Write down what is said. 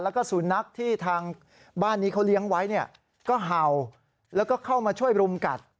แล้วก็สุนัขที่ทางบ้านนี้เขาเลี้ยงไว้เนี่ยก็เห่าแล้วก็เข้ามาช่วยรุมกัด